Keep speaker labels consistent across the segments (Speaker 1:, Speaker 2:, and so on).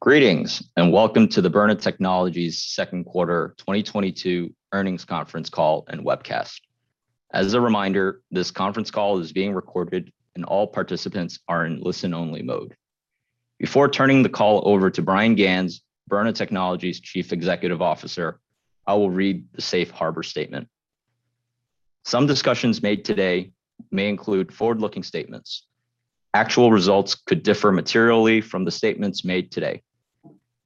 Speaker 1: Greetings, and welcome to the Byrna Technologies Second Quarter 2022 Earnings Conference Call and Webcast. As a reminder, this conference call is being recorded and all participants are in listen-only mode. Before turning the call over to Bryan Ganz, Byrna Technologies Chief Executive Officer, I will read the safe harbor statement. Some discussions made today may include forward-looking statements. Actual results could differ materially from the statements made today.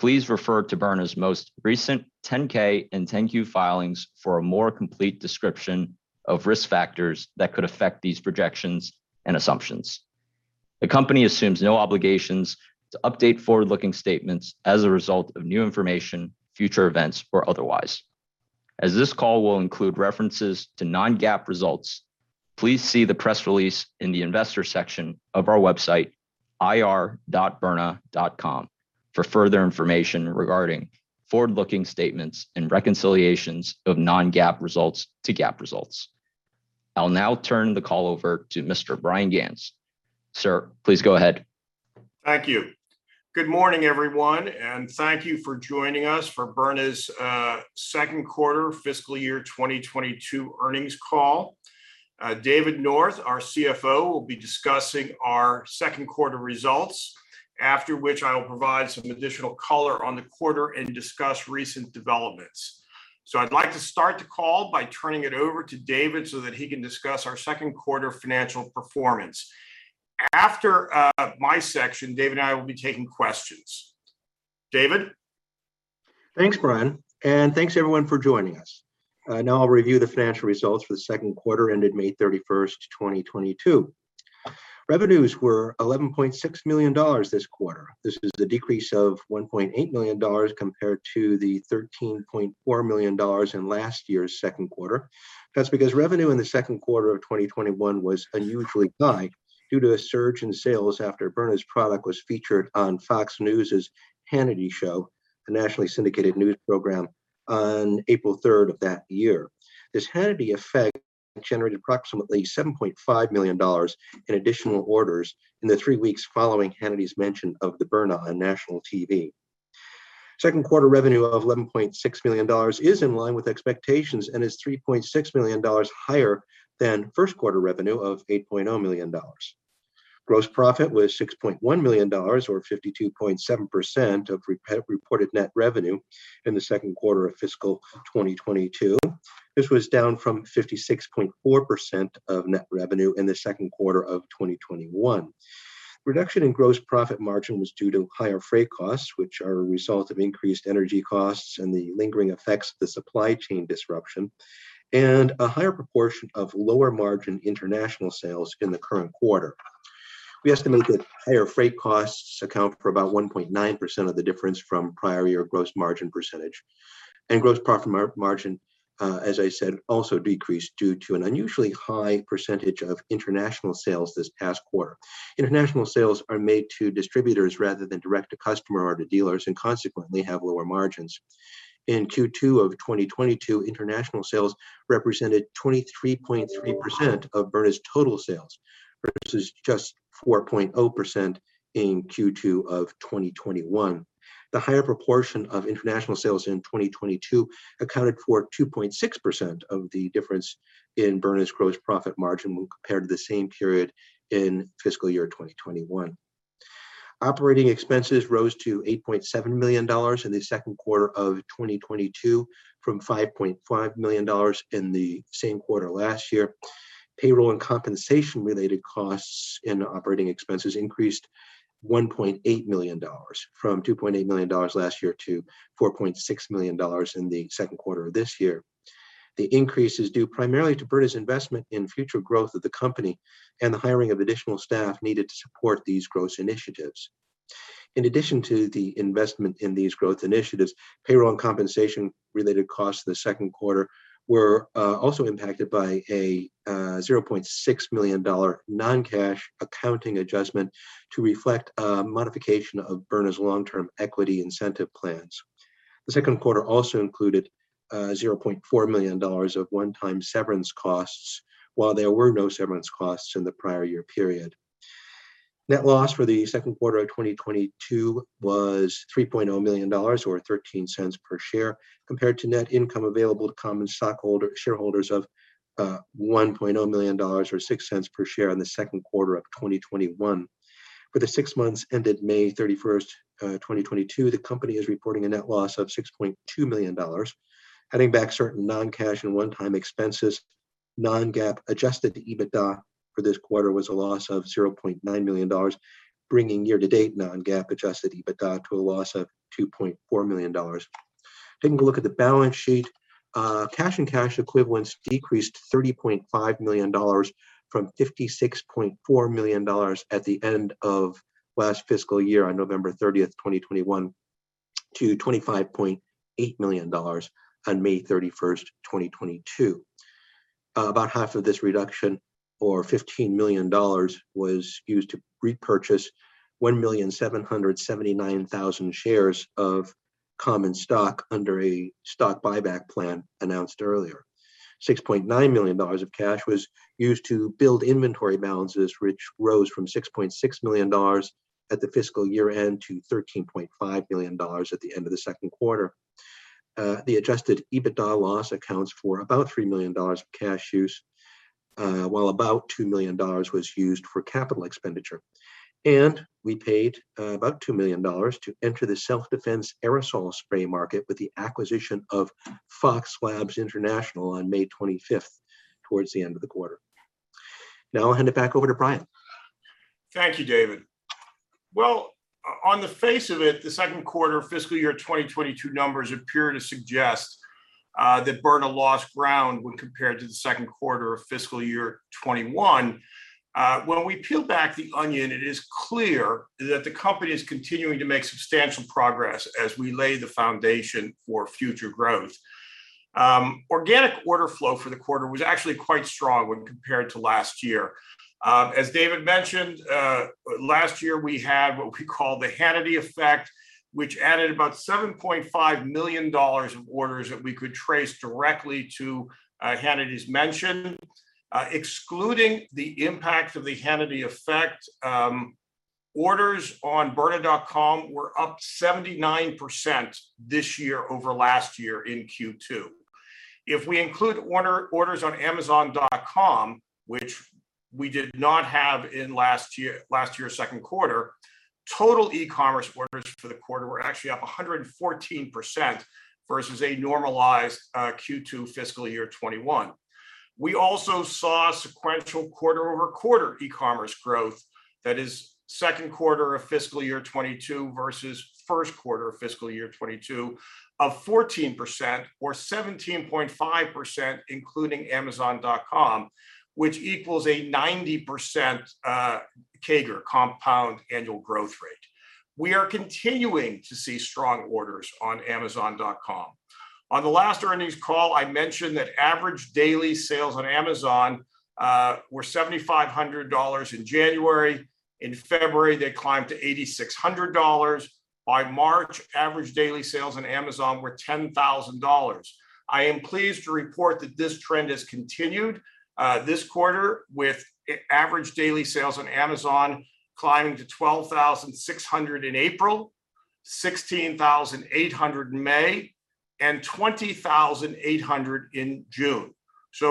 Speaker 1: Please refer to Byrna's most recent 10-K and 10-Q filings for a more complete description of risk factors that could affect these projections and assumptions. The company assumes no obligations to update forward-looking statements as a result of new information, future events, or otherwise. As this call will include references to non-GAAP results, please see the press release in the investor section of our website, ir.byrna.com for further information regarding forward-looking statements and reconciliations of non-GAAP results to GAAP results. I'll now turn the call over to Mr. Bryan Ganz. Sir, please go ahead.
Speaker 2: Thank you. Good morning, everyone, and thank you for joining us for Byrna's Second Quarter Fiscal Year 2022 Earnings Call. David North, our CFO, will be discussing our second quarter results, after which I will provide some additional color on the quarter and discuss recent developments. I'd like to start the call by turning it over to David so that he can discuss our second quarter financial performance. After my section, David and I will be taking questions. David?
Speaker 3: Thanks, Bryan. Thanks everyone for joining us. Now I'll review the financial results for the second quarter ended May 31st, 2022. Revenues were $11.6 million this quarter. This is the decrease of $1.8 million compared to the $13.4 million in last year's second quarter. That's because revenue in the second quarter of 2021 was unusually high due to a surge in sales after Byrna's product was featured on Fox News's Hannity Show, a nationally syndicated news program, on April 3rd of that year. This Hannity effect generated approximately $7.5 million in additional orders in the three weeks following Hannity's mention of the Byrna on national TV. Second quarter revenue of $11.6 million is in line with expectations and is $3.6 million higher than first quarter revenue of $8.0 million. Gross profit was $6.1 million or 52.7% of reported net revenue in the second quarter of fiscal 2022. This was down from 56.4% of net revenue in the second quarter of 2021. Reduction in gross profit margin was due to higher freight costs, which are a result of increased energy costs and the lingering effects of the supply chain disruption, and a higher proportion of lower margin international sales in the current quarter. We estimate that higher freight costs account for about 1.9% of the difference from prior year gross margin percentage. Gross profit margin, as I said, also decreased due to an unusually high percentage of international sales this past quarter. International sales are made to distributors rather than direct to customer or to dealers, and consequently have lower margins. In Q2 of 2022, international sales represented 23.3% of Byrna's total sales, versus just 4.0% in Q2 of 2021. The higher proportion of international sales in 2022 accounted for 2.6% of the difference in Byrna's gross profit margin when compared to the same period in fiscal year 2021. Operating expenses rose to $8.7 million in the second quarter of 2022 from $5.5 million in the same quarter last year. Payroll and compensation related costs in operating expenses increased $1.8 million from $2.8 million last year to $4.6 million in the second quarter of this year. The increase is due primarily to Byrna's investment in future growth of the company and the hiring of additional staff needed to support these growth initiatives. In addition to the investment in these growth initiatives, payroll and compensation related costs in the second quarter were also impacted by a $0.6 million non-cash accounting adjustment to reflect a modification of Byrna's long-term equity incentive plans. The second quarter also included $0.4 million of one-time severance costs, while there were no severance costs in the prior year period. Net loss for the second quarter of 2022 was $3.0 million or $0.13 per share, compared to net income available to common shareholders of $1.0 million or $0.06 per share in the second quarter of 2021. For the six months ended May 31st, 2022, the company is reporting a net loss of $6.2 million. Backing out certain non-cash and one-time expenses, non-GAAP adjusted EBITDA for this quarter was a loss of $0.9 million, bringing year-to-date non-GAAP adjusted EBITDA to a loss of $2.4 million. Taking a look at the balance sheet, cash and cash equivalents decreased $30.5 million from $56.4 million at the end of last fiscal year on November 30th, 2021 to $25.8 million on May 31st, 2022. About half of this reduction, or $15 million, was used to repurchase 1,779,000 shares of common stock under a stock buyback plan announced earlier. $6.9 million of cash was used to build inventory balances, which rose from $6.6 million at the fiscal year-end to $13.5 million at the end of the second quarter. The adjusted EBITDA loss accounts for about $3 million of cash use, while about $2 million was used for capital expenditure. We paid about $2 million to enter the self-defense aerosol spray market with the acquisition of Fox Labs International Inc. on May 25th, towards the end of the quarter. Now I'll hand it back over to Brian.
Speaker 2: Thank you, David. Well, on the face of it, the second quarter fiscal year 2022 numbers appear to suggest that Byrna lost ground when compared to the second quarter of fiscal year 2021. When we peel back the onion, it is clear that the company is continuing to make substantial progress as we lay the foundation for future growth. Organic order flow for the quarter was actually quite strong when compared to last year. As David mentioned, last year we had what we call the Hannity effect, which added about $7.5 million of orders that we could trace directly to Hannity's mention. Excluding the impact of the Hannity effect, orders on byrna.com were up 79% this year over last year in Q2. If we include orders on Amazon.com, which we did not have in last year's second quarter, total e-commerce orders for the quarter were actually up 114% versus a normalized Q2 fiscal year 2021. We also saw sequential quarter-over-quarter e-commerce growth, that is second quarter of fiscal year 2022 versus first quarter of fiscal year 2022, of 14% or 17.5% including Amazon.com, which equals a 90% CAGR, compound annual growth rate. We are continuing to see strong orders on Amazon.com. On the last earnings call, I mentioned that average daily sales on Amazon were $7,500 in January. In February, they climbed to $8,600. By March, average daily sales on Amazon were $10,000. I am pleased to report that this trend has continued, this quarter with average daily sales on Amazon climbing to $12,600 in April, $16,800 in May, and $20,800 in June.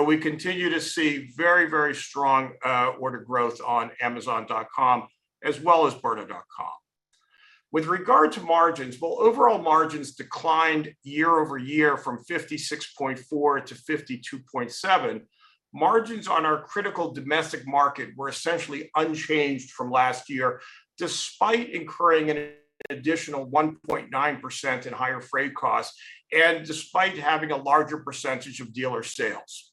Speaker 2: We continue to see very, very strong, order growth on amazon.com as well as byrna.com. With regard to margins, well, overall margins declined year-over-year from 56.4% to 52.7%. Margins on our critical domestic market were essentially unchanged from last year, despite incurring an additional 1.9% in higher freight costs and despite having a larger percentage of dealer sales.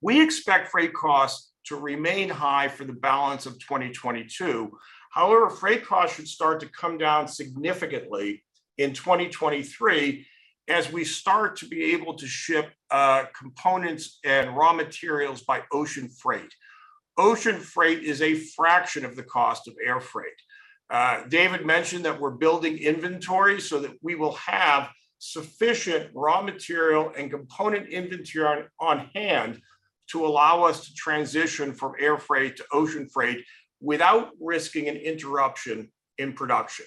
Speaker 2: We expect freight costs to remain high for the balance of 2022. However, freight costs should start to come down significantly in 2023 as we start to be able to ship, components and raw materials by ocean freight. Ocean freight is a fraction of the cost of air freight. David mentioned that we're building inventory so that we will have sufficient raw material and component inventory on hand to allow us to transition from air freight to ocean freight without risking an interruption in production.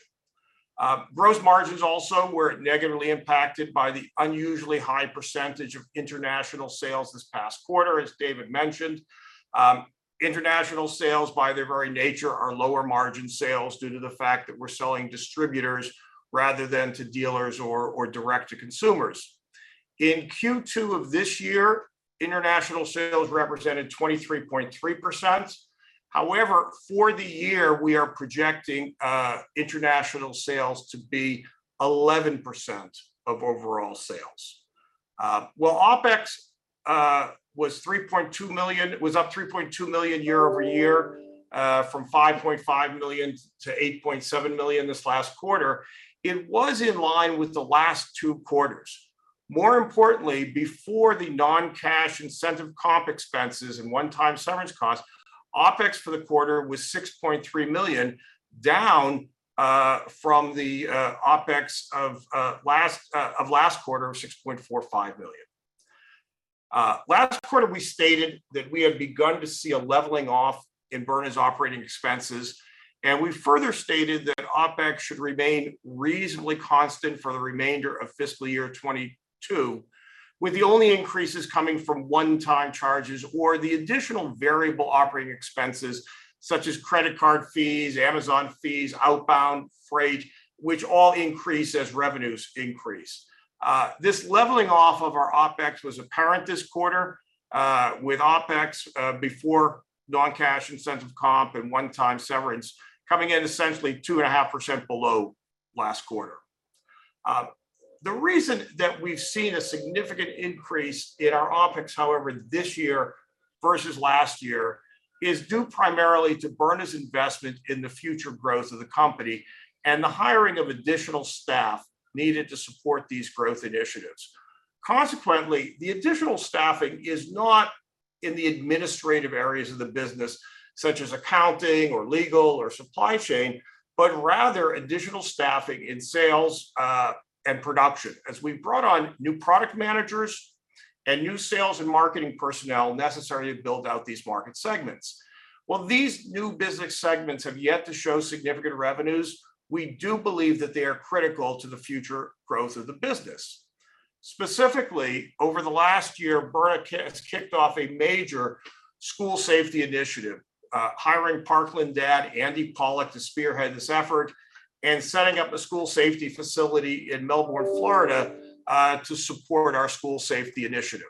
Speaker 2: Gross margins also were negatively impacted by the unusually high percentage of international sales this past quarter, as David mentioned. International sales, by their very nature, are lower margin sales due to the fact that we're selling to distributors rather than to dealers or direct to consumers. In Q2 of this year, international sales represented 23.3%. However, for the year, we are projecting international sales to be 11% of overall sales. While OpEx was $3.2 million, up $3.2 million year-over-year from $5.5 million-$8.7 million this last quarter, it was in line with the last two quarters. More importantly, before the non-cash incentive comp expenses and one-time severance costs, OpEx for the quarter was $6.3 million, down from the OpEx of last quarter of $6.45 million. Last quarter we stated that we have begun to see a leveling off in Byrna's operating expenses, and we further stated that OpEx should remain reasonably constant for the remainder of fiscal year 2022, with the only increases coming from one-time charges or the additional variable operating expenses such as credit card fees, Amazon fees, outbound freight, which all increase as revenues increase. This leveling off of our OpEx was apparent this quarter, with OpEx before non-cash incentive comp and one-time severance coming in essentially 2.5% below last quarter. The reason that we've seen a significant increase in our OpEx, however, this year versus last year is due primarily to Byrna's investment in the future growth of the company and the hiring of additional staff needed to support these growth initiatives. Consequently, the additional staffing is not in the administrative areas of the business, such as accounting or legal or supply chain, but rather additional staffing in sales and production as we've brought on new product managers and new sales and marketing personnel necessary to build out these market segments. While these new business segments have yet to show significant revenues, we do believe that they are critical to the future growth of the business. Specifically, over the last year, Byrna has kicked off a major school safety initiative, hiring Parkland dad, Andy Pollack, to spearhead this effort and setting up a school safety facility in Melbourne, Florida, to support our school safety initiative.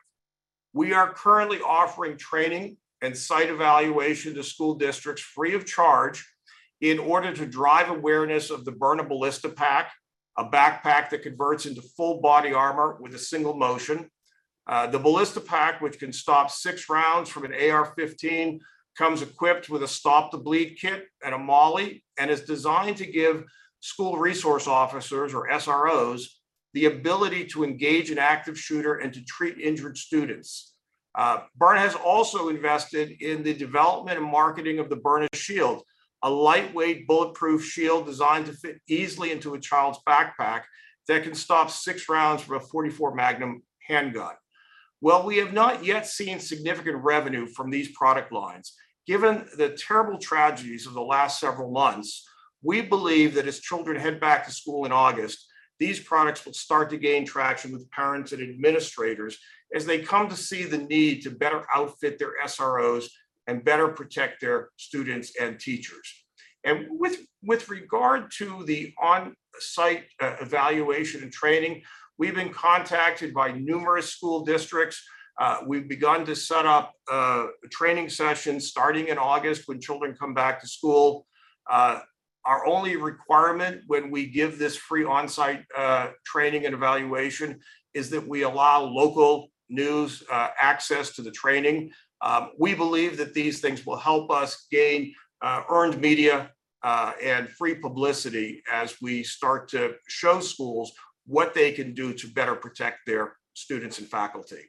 Speaker 2: We are currently offering training and site evaluation to school districts free of charge in order to drive awareness of the Byrna Ballistipac, a backpack that converts into full body armor with a single motion. The Ballistipac, which can stop six rounds from an AR-15, comes equipped with a Stop the Bleed kit and a MOLLE, and is designed to give school resource officers, or SROs, the ability to engage an active shooter and to treat injured students. Byrna has also invested in the development and marketing of the Byrna Shield, a lightweight bulletproof shield designed to fit easily into a child's backpack that can stop six rounds from a .44 Magnum handgun. While we have not yet seen significant revenue from these product lines, given the terrible tragedies of the last several months, we believe that as children head back to school in August, these products will start to gain traction with parents and administrators as they come to see the need to better outfit their SROs and better protect their students and teachers. With regard to the on-site evaluation and training, we've been contacted by numerous school districts. We've begun to set up training sessions starting in August when children come back to school. Our only requirement when we give this free on-site training and evaluation is that we allow local news access to the training. We believe that these things will help us gain earned media and free publicity as we start to show schools what they can do to better protect their students and faculty.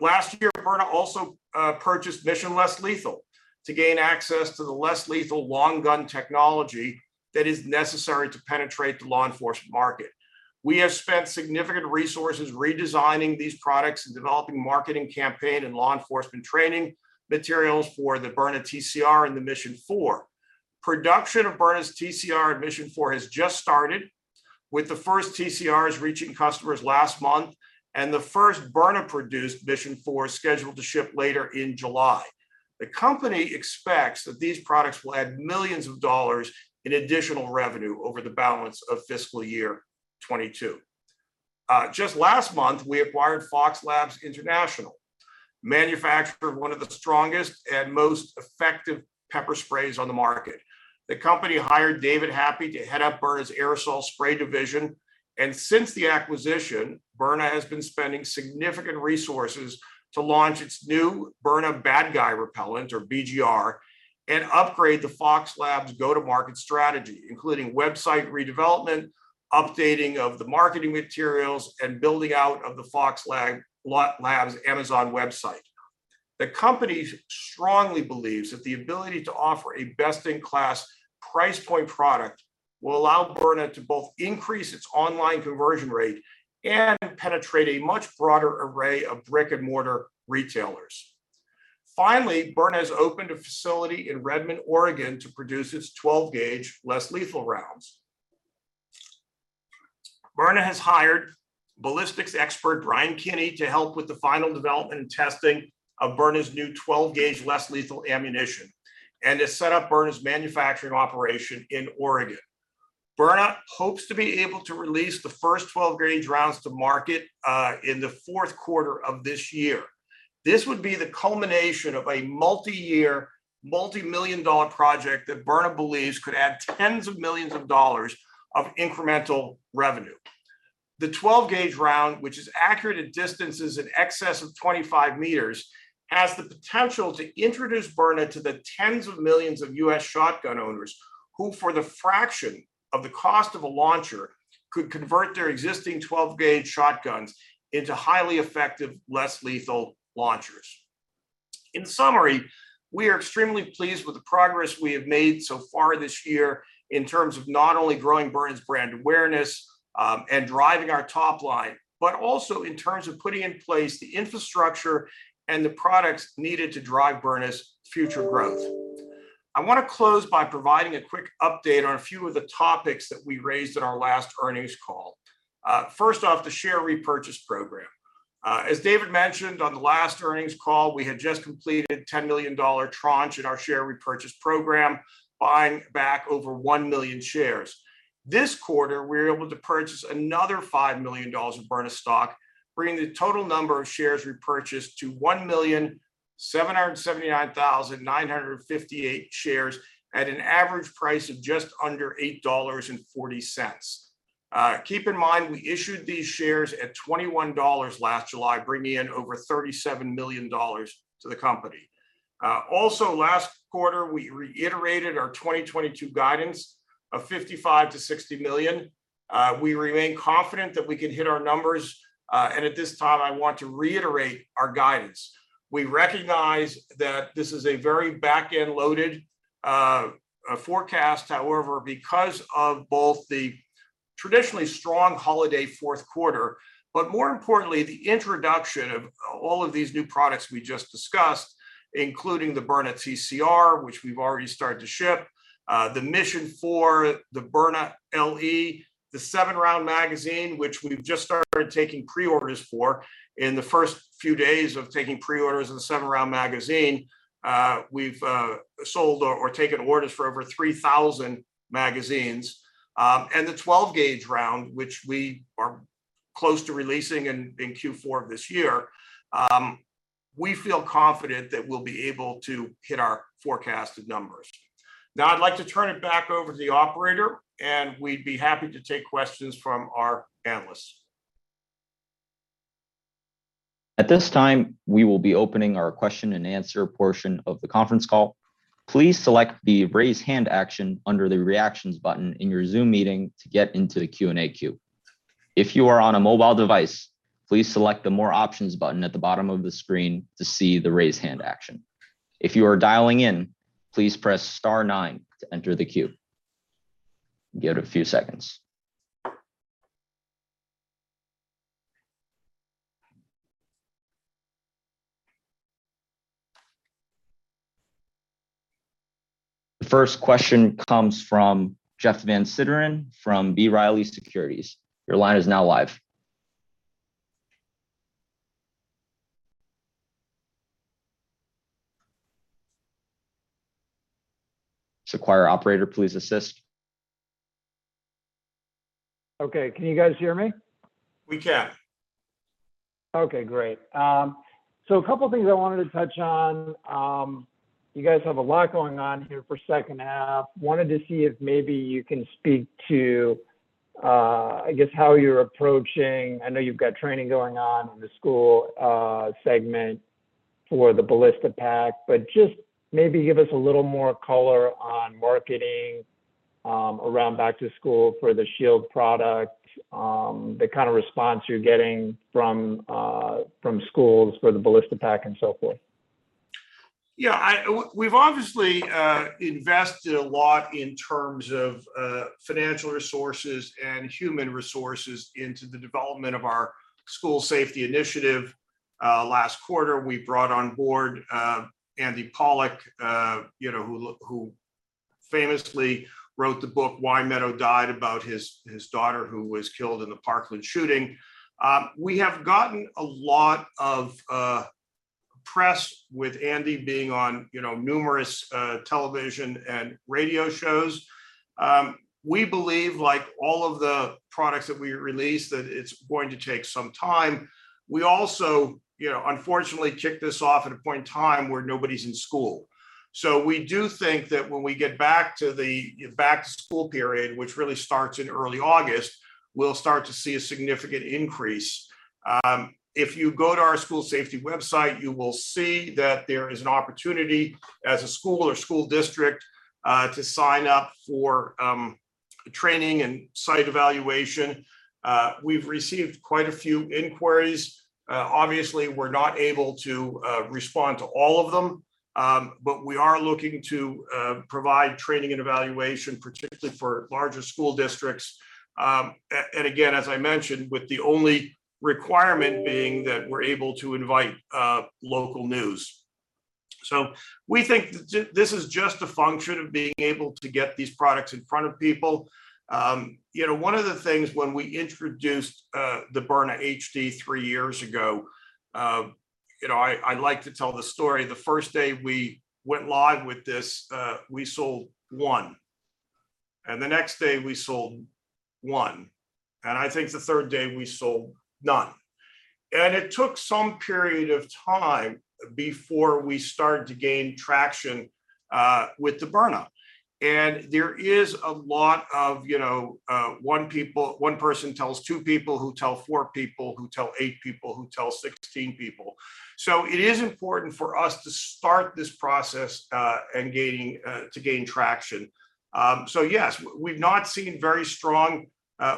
Speaker 2: Last year, Byrna also purchased Mission Less Lethal to gain access to the less-lethal long gun technology that is necessary to penetrate the law enforcement market. We have spent significant resources redesigning these products and developing marketing campaign and law enforcement training materials for the Byrna TCR and the Mission 4. Production of Byrna's TCR and Mission 4 has just started, with the first TCRs reaching customers last month and the first Byrna-produced Mission 4 scheduled to ship later in July. The company expects that these products will add millions of dollars in additional revenue over the balance of fiscal year 2022. Just last month, we acquired Fox Labs International, manufacturer of one of the strongest and most effective pepper sprays on the market. The company hired David Happe to head up Byrna's aerosol spray division, and since the acquisition, Byrna has been spending significant resources to launch its new Byrna Bad Guy Repellent, or BGR, and upgrade the Fox Labs go-to-market strategy, including website redevelopment, updating of the marketing materials, and building out of the Fox Labs Amazon website. The company strongly believes that the ability to offer a best-in-class price point product will allow Byrna to both increase its online conversion rate and penetrate a much broader array of brick-and-mortar retailers. Finally, Byrna has opened a facility in Redmond, Oregon to produce its 12 gauge less-lethal rounds. Byrna has hired ballistics expert Brian Kenealy to help with the final development and testing of Byrna's new 12 gauge less-lethal ammunition and has set up Byrna's manufacturing operation in Oregon. Byrna hopes to be able to release the first 12 gauge rounds to market in the fourth quarter of this year. This would be the culmination of a multi-year, multi-million dollar project that Byrna believes could add tens of millions of incremental revenue. The 12 gauge round, which is accurate at distances in excess of 25 meters, has the potential to introduce Byrna to the tens of millions of U.S. shotgun owners who for the fraction of the cost of a launcher could convert their existing 12 gauge shotguns into highly effective less-lethal launchers. In summary, we are extremely pleased with the progress we have made so far this year in terms of not only growing Byrna's brand awareness, and driving our top line, but also in terms of putting in place the infrastructure and the products needed to drive Byrna's future growth. I wanna close by providing a quick update on a few of the topics that we raised in our last earnings call. First off, the share repurchase program. As David mentioned on the last earnings call, we had just completed $10 million tranche in our share repurchase program, buying back over 1 million shares. This quarter, we were able to purchase another $5 million of Byrna stock, bringing the total number of shares repurchased to 1,779,958 shares at an average price of just under $8.40. Keep in mind, we issued these shares at $21 last July, bringing in over $37 million to the company. Also last quarter, we reiterated our 2022 guidance of $55 million-$60 million. We remain confident that we can hit our numbers. At this time, I want to reiterate our guidance. We recognize that this is a very back-end loaded forecast. However, because of both the traditionally strong holiday fourth quarter, but more importantly, the introduction of all of these new products we just discussed, including the Byrna TCR, which we've already started to ship, the Mission 4, the Byrna LE, the seven round magazine, which we've just started taking pre-orders for. In the first few days of taking pre-orders of the seven round magazine, we've sold or taken orders for over 3,000 magazines. The 12-gauge round, which we are close to releasing in Q4 of this year, we feel confident that we'll be able to hit our forecasted numbers. Now, I'd like to turn it back over to the operator, and we'd be happy to take questions from our analysts.
Speaker 1: At this time, we will be opening our question and answer portion of the conference call. Please select the Raise Hand action under the Reactions button in your Zoom meeting to get into the Q&A queue. If you are on a mobile device, please select the More Options button at the bottom of the screen to see the Raise Hand action. If you are dialing in, please press star nine to enter the queue. Give it a few seconds. The first question comes from Jeff Van Sinderen from B. Riley Securities. Your line is now live. Operator, please assist.
Speaker 4: Okay. Can you guys hear me?
Speaker 2: We can.
Speaker 4: Okay, great. A couple things I wanted to touch on. You guys have a lot going on here for second half. Wanted to see if maybe you can speak to, I guess, how you're approaching, I know you've got training going on in the school segment for the Ballistipac, but just maybe give us a little more color on marketing around back to school for the Shield product, the kind of response you're getting from schools for the Ballistipac and so forth.
Speaker 2: We've obviously invested a lot in terms of financial resources and human resources into the development of our school safety initiative. Last quarter, we brought on board Andy Pollack, who famously wrote the book Why Meadow Died, about his daughter who was killed in the Parkland shooting. We have gotten a lot of press with Andy being on numerous television and radio shows. We believe, like all of the products that we release, that it's going to take some time. We also unfortunately kicked this off at a point in time where nobody's in school. We do think that when we get back to the back-to-school period, which really starts in early August, we'll start to see a significant increase. If you go to our school safety website, you will see that there is an opportunity as a school or school district to sign up for training and site evaluation. We've received quite a few inquiries. Obviously, we're not able to respond to all of them. We are looking to provide training and evaluation, particularly for larger school districts. Again, as I mentioned, with the only requirement being that we're able to invite local news. We think this is just a function of being able to get these products in front of people. You know, one of the things when we introduced the Byrna HD three years ago, you know, I like to tell the story. The first day we went live with this, we sold one, and the next day we sold one, and I think the third day we sold none. It took some period of time before we started to gain traction with the Byrna. There is a lot of, you know, one person tells two people, who tell four people, who tell eight people, who tell 16 people. It is important for us to start this process and to gain traction. Yes, we've not seen very strong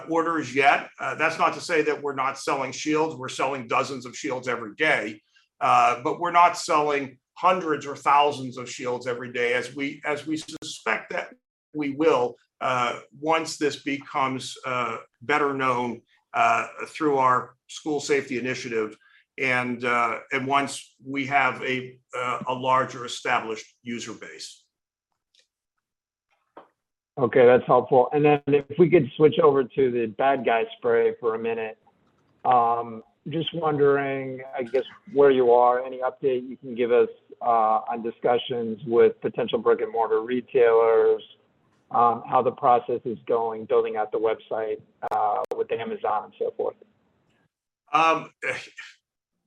Speaker 2: orders yet. That's not to say that we're not selling shields. We're selling dozens of shields every day. We're not selling hundreds or thousands of shields every day as we suspect that we will once this becomes better known through our school safety initiative and once we have a larger established user base.
Speaker 4: Okay, that's helpful. If we could switch over to the Bad Guy Spray for a minute. Just wondering, I guess, where you are, any update you can give us on discussions with potential brick-and-mortar retailers, how the process is going building out the website with Amazon and so forth?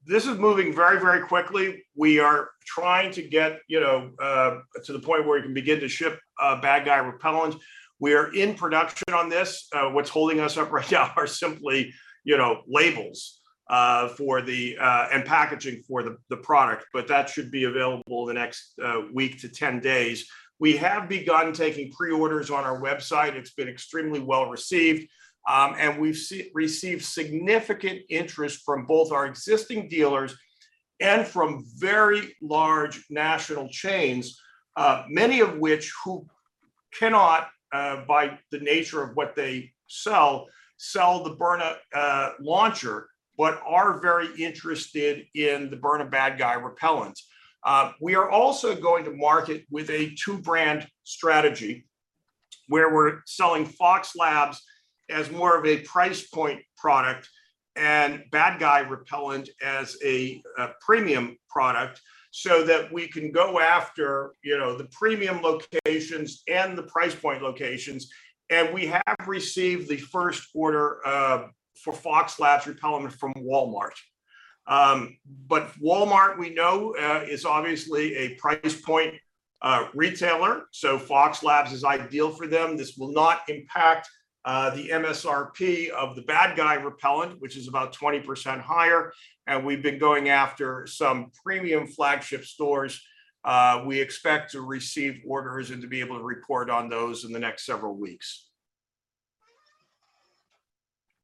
Speaker 2: This is moving very, very quickly. We are trying to get, you know, to the point where we can begin to ship Bad Guy Repellent. We're in production on this. What's holding us up right now are simply, you know, labels and packaging for the product, but that should be available the next week to 10 days. We have begun taking pre-orders on our website. It's been extremely well-received, and we've received significant interest from both our existing dealers and from very large national chains, many of which, who cannot, by the nature of what they sell the Byrna launcher, but are very interested in the Byrna Bad Guy Repellent. We are also going to market with a two-brand strategy where we're selling Fox Labs as more of a price point product and Bad Guy Repellent as a premium product so that we can go after, you know, the premium locations and the price point locations. We have received the first order for Fox Labs Repellent from Walmart. But Walmart, we know, is obviously a price point retailer, so Fox Labs is ideal for them. This will not impact the MSRP of the Bad Guy Repellent, which is about 20% higher, and we've been going after some premium flagship stores. We expect to receive orders and to be able to report on those in the next several weeks.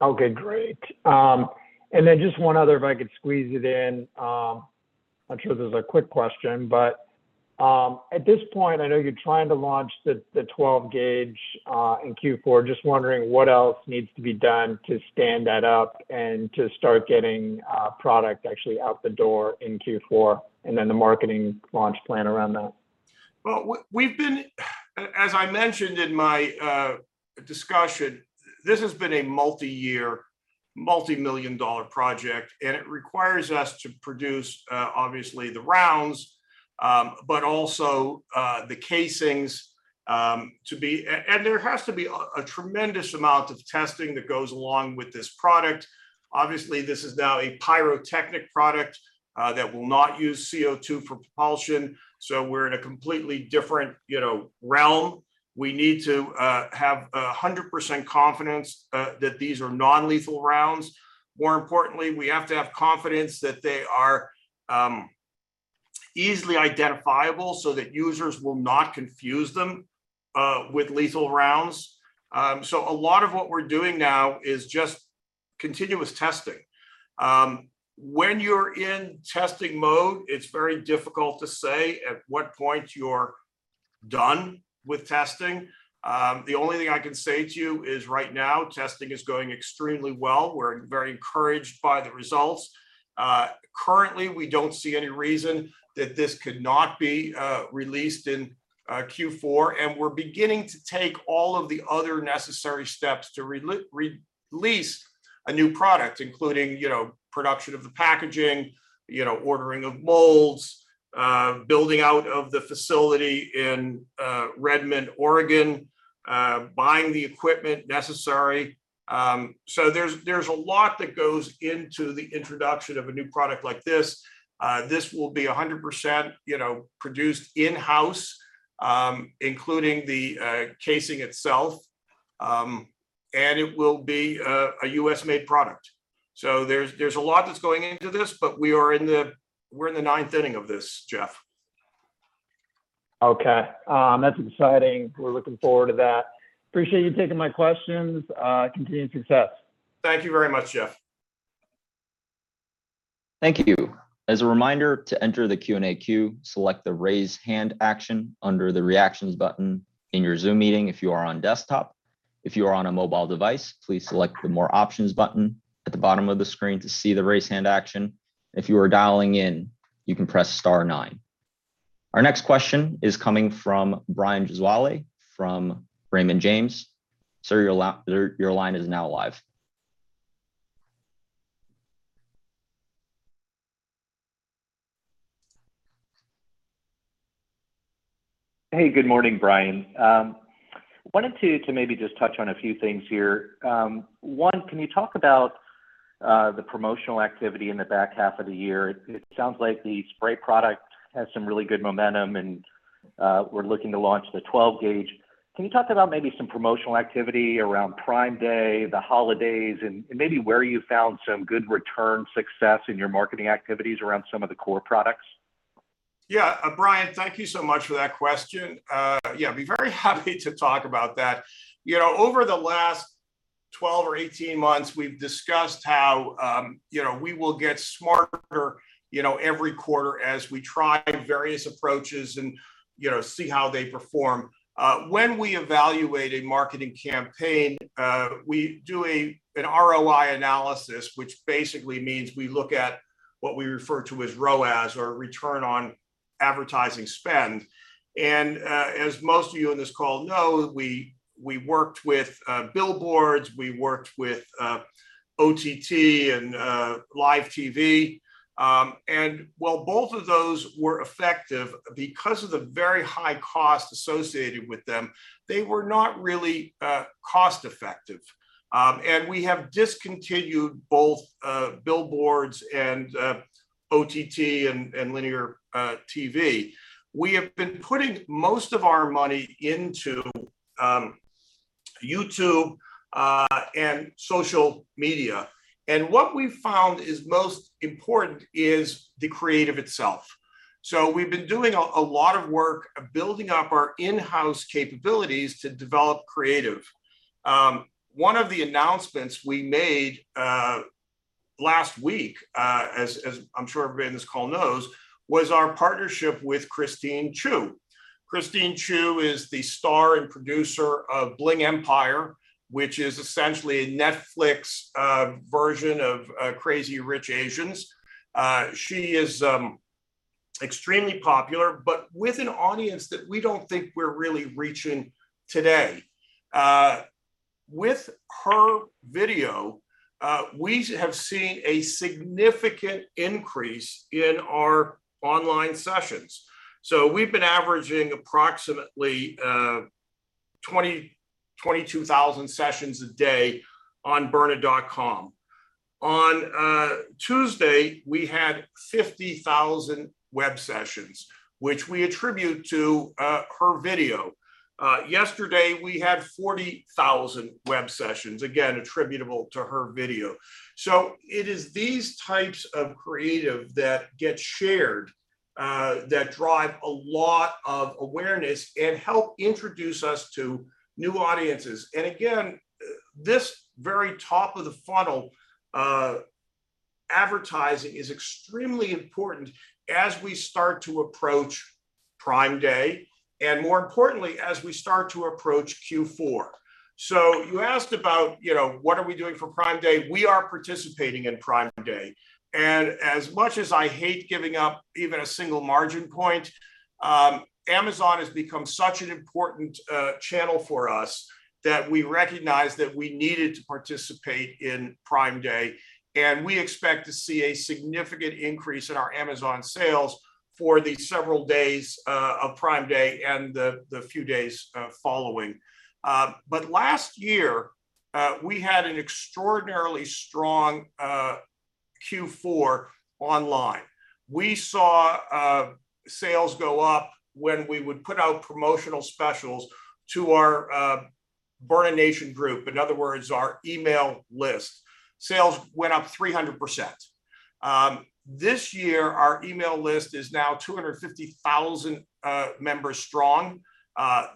Speaker 4: Okay, great. And then just one other, if I could squeeze it in. I'm sure this is a quick question, but at this point, I know you're trying to launch the 12 gauge in Q4. Just wondering what else needs to be done to stand that up and to start getting product actually out the door in Q4, and then the marketing launch plan around that.
Speaker 2: As I mentioned in my discussion, this has been a multi-year, multi-million-dollar project, and it requires us to produce obviously the rounds, but also the casings, and there has to be a tremendous amount of testing that goes along with this product. Obviously, this is now a pyrotechnic product that will not use CO2 for propulsion, so we're in a completely different, you know, realm. We need to have 100% confidence that these are non-lethal rounds. More importantly, we have to have confidence that they are easily identifiable so that users will not confuse them with lethal rounds. A lot of what we're doing now is just continuous testing. When you're in testing mode, it's very difficult to say at what point you're done with testing. The only thing I can say to you is right now, testing is going extremely well. We're very encouraged by the results. Currently, we don't see any reason that this could not be released in Q4, and we're beginning to take all of the other necessary steps to release a new product, including, you know, production of the packaging, you know, ordering of molds, building out of the facility in Redmond, Oregon, buying the equipment necessary. So there's a lot that goes into the introduction of a new product like this. This will be 100%, you know, produced in-house, including the casing itself. And it will be a US-made product. So there's a lot that's going into this, but we're in the ninth inning of this, Jeff.
Speaker 4: Okay. That's exciting. We're looking forward to that. Appreciate you taking my questions. Continued success.
Speaker 2: Thank you very much, Jeff.
Speaker 1: Thank you. As a reminder, to enter the Q&A queue, select the Raise Hand action under the Reactions button in your Zoom meeting if you are on desktop. If you are on a mobile device, please select the More Options button at the bottom of the screen to see the Raise Hand action. If you are dialing in, you can press star nine. Our next question is coming from Brian Gesuale from Raymond James. Sir, your line is now live.
Speaker 5: Hey, good morning, Brian. Wanted to maybe just touch on a few things here. One, can you talk about the promotional activity in the back half of the year? It sounds like the spray product has some really good momentum, and we're looking to launch the 12 gauge. Can you talk about maybe some promotional activity around Prime Day, the holidays, and maybe where you found some good return success in your marketing activities around some of the core products?
Speaker 2: Yeah, Brian, thank you so much for that question. Yeah, I'd be very happy to talk about that. You know, over the last 12 or 18 months, we've discussed how, you know, we will get smarter, you know, every quarter as we try various approaches and, you know, see how they perform. When we evaluate a marketing campaign, we do an ROI analysis, which basically means we look at what we refer to as ROAS, or return on advertising spend. As most of you on this call know, we worked with billboards, we worked with OTT, and live TV. While both of those were effective, because of the very high cost associated with them, they were not really cost-effective. We have discontinued both billboards and OTT and linear TV. We have been putting most of our money into YouTube and social media. What we've found is most important is the creative itself. We've been doing a lot of work building up our in-house capabilities to develop creative. One of the announcements we made last week, as I'm sure everybody on this call knows, was our partnership with Christine Chiu. Christine Chiu is the star and producer of Bling Empire, which is essentially a Netflix version of Crazy Rich Asians. She is extremely popular, but with an audience that we don't think we're really reaching today. With her video, we have seen a significant increase in our online sessions. We've been averaging approximately 20,000-22,000 sessions a day on byrna.com. On Tuesday, we had 50,000 web sessions, which we attribute to her video. Yesterday, we had 40,000 web sessions, again attributable to her video. It is these types of creative that get shared that drive a lot of awareness and help introduce us to new audiences. Again, this very top of the funnel advertising is extremely important as we start to approach Prime Day, and more importantly, as we start to approach Q4. You asked about, you know, what are we doing for Prime Day. We are participating in Prime Day. As much as I hate giving up even a single margin point, Amazon has become such an important channel for us that we recognized that we needed to participate in Prime Day, and we expect to see a significant increase in our Amazon sales for the several days of Prime Day and the few days following. Last year, we had an extraordinarily strong Q4 online. We saw sales go up when we would put out promotional specials to our Byrna Nation group, in other words, our email list. Sales went up 300%. This year, our email list is now 250,000 members strong.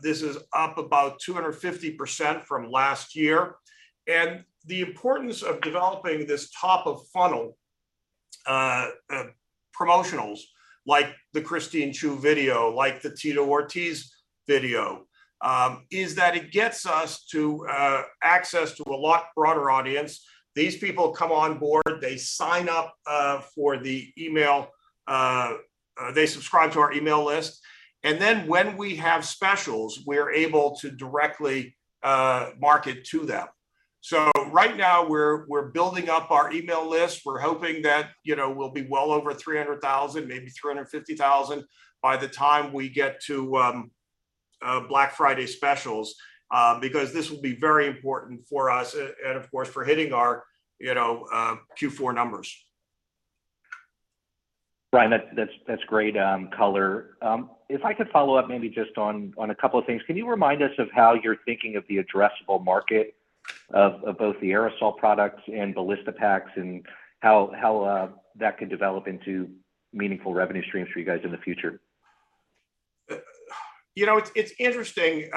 Speaker 2: This is up about 250% from last year. The importance of developing this top of funnel, promotionals, like the Christine Chiu video, like the Tito Ortiz video, is that it gets us to access to a lot broader audience. These people come on board, they sign up for the email, they subscribe to our email list, and then when we have specials, we're able to directly market to them. Right now we're building up our email list. We're hoping that, you know, we'll be well over 300,000, maybe 350,000 by the time we get to Black Friday specials, because this will be very important for us and of course for hitting our, you know, Q4 numbers.
Speaker 5: Brian, that's great color. If I could follow up maybe just on a couple of things. Can you remind us of how you're thinking of the addressable market of both the aerosol products and Ballistipac, and how that can develop into meaningful revenue streams for you guys in the future?
Speaker 2: You know, it's interesting.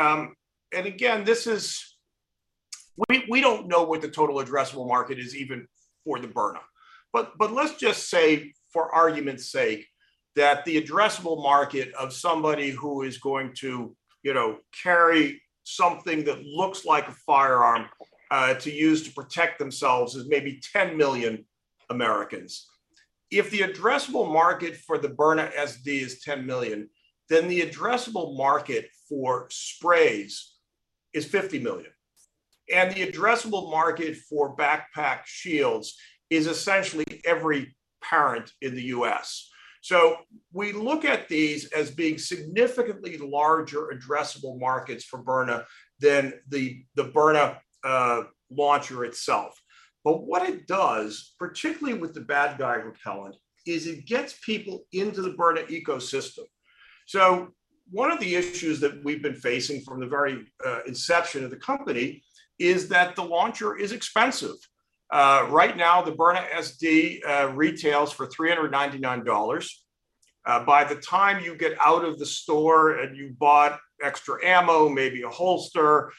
Speaker 2: We don't know what the total addressable market is even for the Byrna, but let's just say for argument's sake that the addressable market of somebody who is going to, you know, carry something that looks like a firearm, to use to protect themselves is maybe 10 million Americans. If the addressable market for the Byrna SD is 10 million, then the addressable market for sprays is 50 million, and the addressable market for backpack shields is essentially every parent in the U.S. We look at these as being significantly larger addressable markets for Byrna than the Byrna launcher itself. What it does, particularly with the Bad Guy Repellent, is it gets people into the Byrna ecosystem. One of the issues that we've been facing from the very inception of the company is that the launcher is expensive. Right now the Byrna SD retails for $399. By the time you get out of the store and you bought extra ammo, maybe a holster,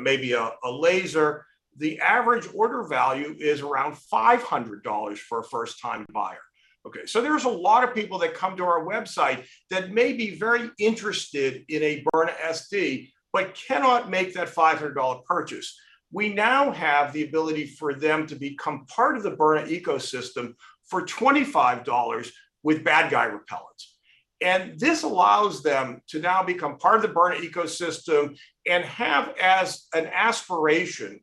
Speaker 2: maybe a laser, the average order value is around $500 for a first time buyer. Okay, there's a lot of people that come to our website that may be very interested in a Byrna SD but cannot make that $500 purchase. We now have the ability for them to become part of the Byrna ecosystem for $25 with Bad Guy Repellent. This allows them to now become part of the Byrna ecosystem and have as an aspirational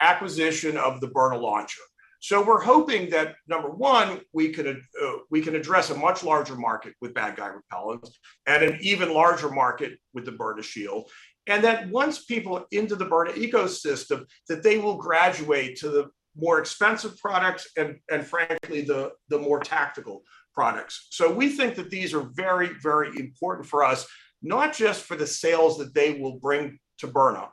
Speaker 2: acquisition of the Byrna launcher. We're hoping that, number one, we can address a much larger market with Bad Guy Repellent and an even larger market with the Byrna Shield, and that once people are into the Byrna ecosystem, that they will graduate to the more expensive products and frankly, the more tactical products. We think that these are very, very important for us, not just for the sales that they will bring to Byrna,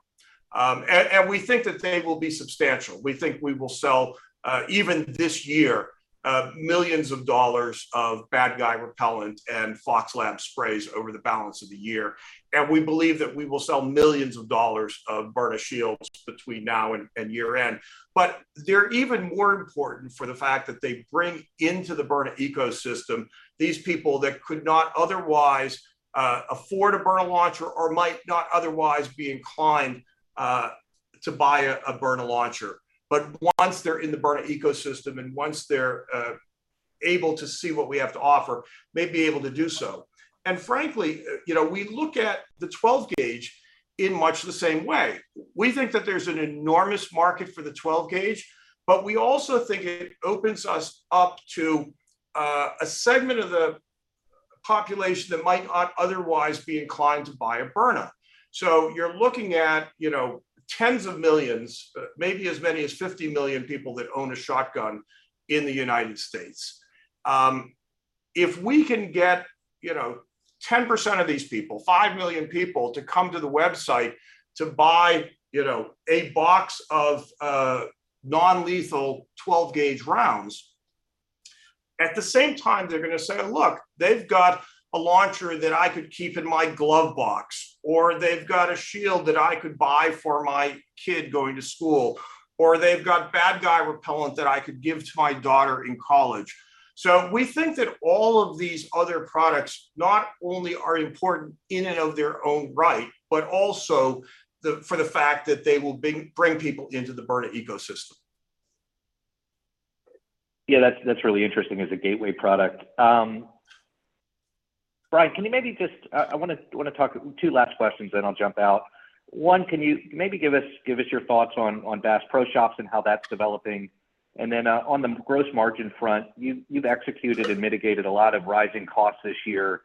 Speaker 2: and we think that they will be substantial. We think we will sell, even this year, millions of dollars of Bad Guy Repellent and Fox Labs sprays over the balance of the year. We believe that we will sell millions of dollars of Byrna Shields between now and year-end. They're even more important for the fact that they bring into the Byrna ecosystem these people that could not otherwise afford a Byrna launcher or might not otherwise be inclined to buy a Byrna launcher. Once they're in the Byrna ecosystem and once they're able to see what we have to offer, may be able to do so. Frankly, you know, we look at the 12 gauge in much the same way. We think that there's an enormous market for the 12 gauge, but we also think it opens us up to a segment of the population that might not otherwise be inclined to buy a Byrna. You're looking at, you know, tens of millions, maybe as many as 50 million people that own a shotgun in the United States. If we can get, you know, 10% of these people, 5 million people to come to the website to buy, you know, a box of non-lethal 12 gauge rounds, at the same time, they're gonna say, "Look, they've got a launcher that I could keep in my glove box," or, "They've got a shield that I could buy for my kid going to school," or, "They've got Bad Guy Repellent that I could give to my daughter in college." We think that all of these other products not only are important in and of their own right, but also for the fact that they will bring people into the Byrna ecosystem.
Speaker 5: Yeah, that's really interesting as a gateway product. Bryan, I wanna talk two last questions then I'll jump out. One, can you maybe give us your thoughts on Bass Pro Shops and how that's developing? Then, on the gross margin front, you've executed and mitigated a lot of rising costs this year.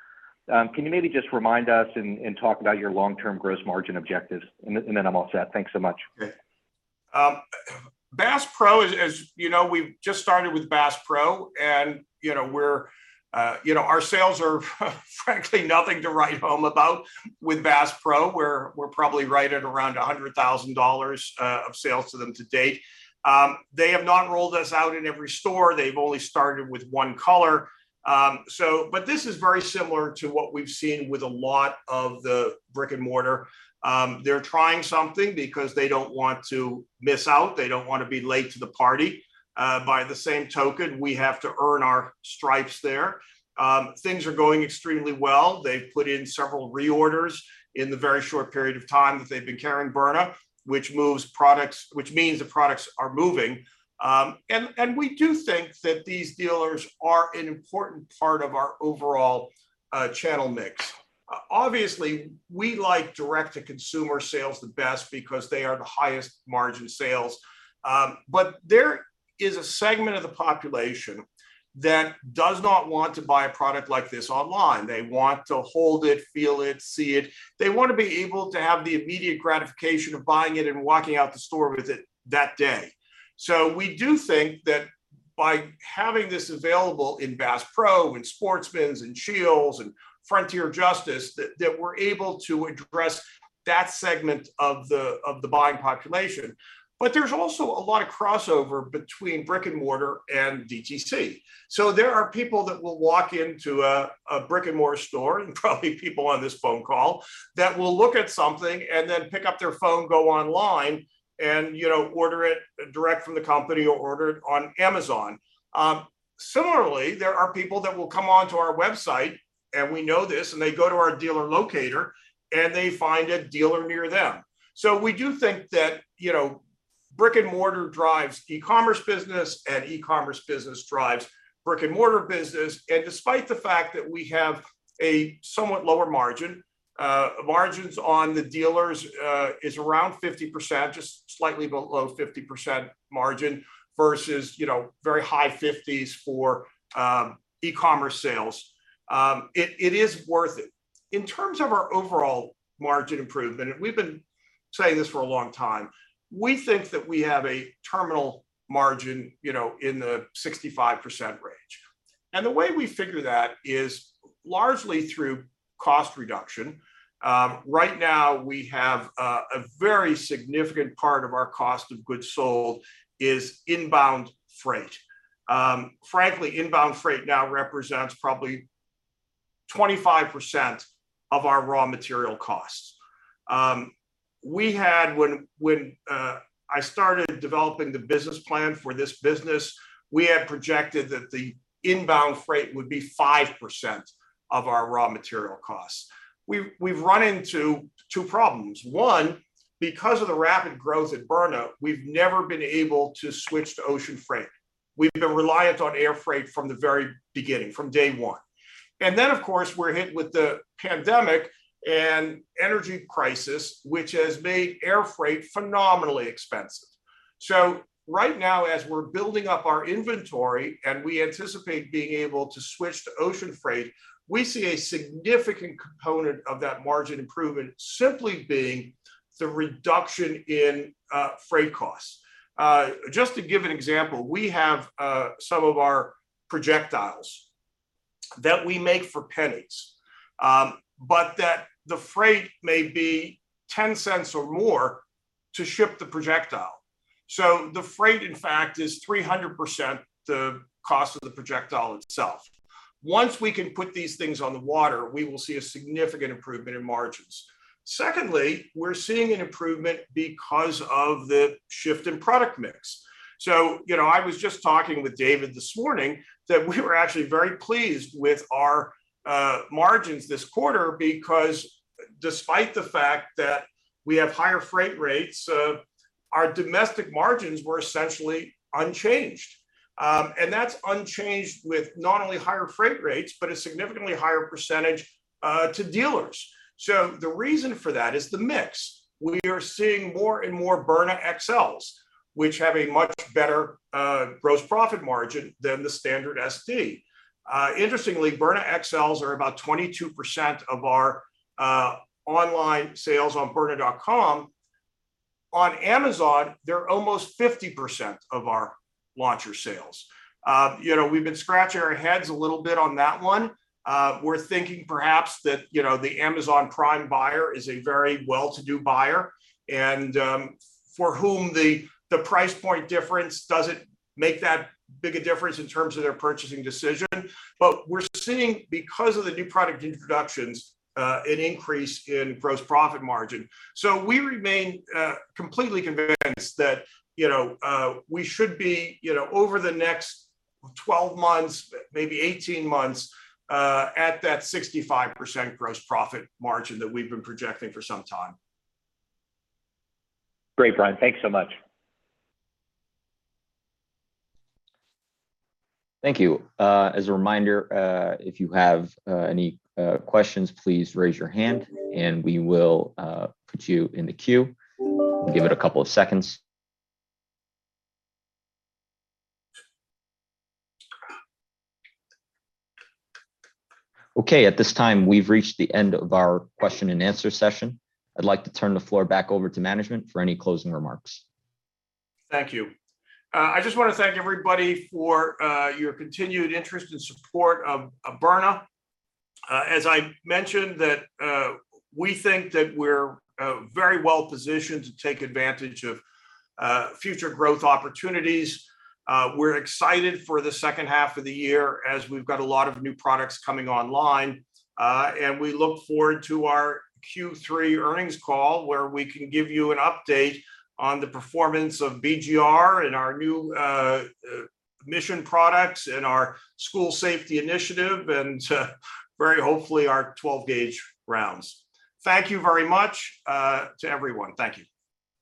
Speaker 5: Can you maybe just remind us and talk about your long-term gross margin objectives? Then I'm all set. Thanks so much.
Speaker 2: Okay. Bass Pro is, you know, we've just started with Bass Pro and, you know, we're, you know, our sales are frankly nothing to write home about with Bass Pro. We're probably right at around $100,000 of sales to them to date. They have not rolled us out in every store. They've only started with one color. So but this is very similar to what we've seen with a lot of the brick-and-mortar. They're trying something because they don't want to miss out. They don't wanna be late to the party. By the same token, we have to earn our stripes there. Things are going extremely well. They've put in several reorders in the very short period of time that they've been carrying Byrna, which moves products, which means the products are moving. We do think that these dealers are an important part of our overall channel mix. Obviously we like direct-to-consumer sales the best because they are the highest margin sales. There is a segment of the population that does not want to buy a product like this online. They want to hold it, feel it, see it. They wanna be able to have the immediate gratification of buying it and walking out the store with it that day. We do think that by having this available in Bass Pro Shops, in Sportsman's Warehouse, in Cabela's, in Frontier Justice, that we're able to address that segment of the buying population. There's also a lot of crossover between brick-and-mortar and DTC. There are people that will walk into a brick-and-mortar store, and probably people on this phone call, that will look at something and then pick up their phone, go online and, you know, order it direct from the company or order it on Amazon. Similarly, there are people that will come onto our website, and we know this, and they go to our dealer locator, and they find a dealer near them. We do think that, you know, brick-and-mortar drives e-commerce business and e-commerce business drives brick-and-mortar business. Despite the fact that we have a somewhat lower margin, margins on the dealers is around 50%, just slightly below 50% margin versus, you know, very high 50s for e-commerce sales, it is worth it. In terms of our overall margin improvement, we've been saying this for a long time, we think that we have a terminal margin, you know, in the 65% range. The way we figure that is largely through cost reduction. Right now we have a very significant part of our cost of goods sold is inbound freight. Frankly, inbound freight now represents probably 25% of our raw material costs. When I started developing the business plan for this business, we had projected that the inbound freight would be 5% of our raw material costs. We've run into two problems. One, because of the rapid growth at Byrna, we've never been able to switch to ocean freight. We've been reliant on air freight from the very beginning, from day one. Of course we're hit with the pandemic and energy crisis, which has made air freight phenomenally expensive. Right now as we're building up our inventory and we anticipate being able to switch to ocean freight, we see a significant component of that margin improvement simply being the reduction in freight costs. Just to give an example, we have some of our projectiles that we make for pennies. But that the freight may be $0.10 or more to ship the projectile. The freight, in fact, is 300% the cost of the projectile itself. Once we can put these things on the water, we will see a significant improvement in margins. Secondly, we're seeing an improvement because of the shift in product mix. You know, I was just talking with David this morning that we were actually very pleased with our margins this quarter because despite the fact that we have higher freight rates, our domestic margins were essentially unchanged. That's unchanged with not only higher freight rates, but a significantly higher percentage to dealers. The reason for that is the mix. We are seeing more and more Byrna XLs, which have a much better gross profit margin than the standard SD. Interestingly, Byrna XLs are about 22% of our online sales on byrna.com. On Amazon, they're almost 50% of our launcher sales. You know, we've been scratching our heads a little bit on that one. We're thinking perhaps that, you know, the Amazon Prime buyer is a very well-to-do buyer and, for whom the price point difference doesn't make that big a difference in terms of their purchasing decision. We're seeing, because of the new product introductions, an increase in gross profit margin. We remain completely convinced that, you know, we should be, you know, over the next 12 months, maybe 18 months, at that 65% gross profit margin that we've been projecting for some time.
Speaker 5: Great, Brian. Thanks so much.
Speaker 1: Thank you. As a reminder, if you have any questions, please raise your hand and we will put you in the queue. Give it a couple of seconds. Okay, at this time, we've reached the end of our question and answer session. I'd like to turn the floor back over to management for any closing remarks.
Speaker 2: Thank you. I just wanna thank everybody for your continued interest and support of Byrna. As I mentioned that we think that we're very well-positioned to take advantage of future growth opportunities. We're excited for the second half of the year as we've got a lot of new products coming online. We look forward to our Q3 earnings call, where we can give you an update on the performance of BGR and our new Mission products and our school safety initiative, and very hopefully, our 12-gauge rounds. Thank you very much to everyone. Thank you.